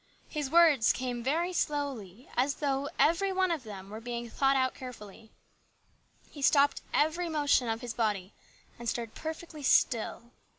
His words came very slowly, as though every one of them were being thought out carefully. He stopped every motion of his body and stood perfectly still.